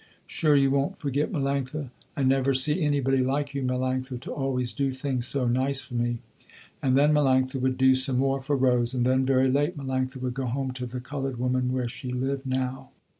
Sure you won't forget Melanctha. I never see anybody like you Melanctha to always do things so nice for me." And then Melanctha would do some more for Rose, and then very late Melanctha would go home to the colored woman where she lived now.